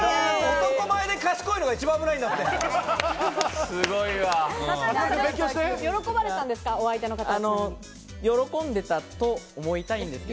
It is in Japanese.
男前で賢いのが一番危ないんだって。